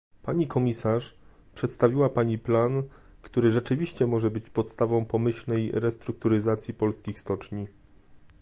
Pani komisarz, przedstawiła pani plan, który rzeczywiście może być podstawą pomyślnej restrukturyzacji polskich stoczni